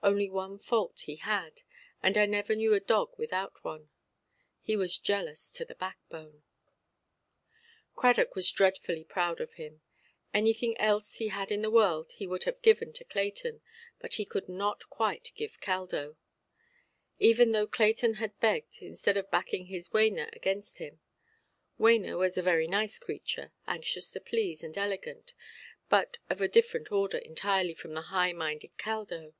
Only one fault he had, and I never knew dog without one; he was jealous to the backbone. Cradock was dreadfully proud of him. Anything else he had in the world he would have given to Clayton, but he could not quite give Caldo; even though Clayton had begged, instead of backing his Wena against him. Wena was a very nice creature, anxious to please, and elegant; but of a different order entirely from the high–minded Caldo.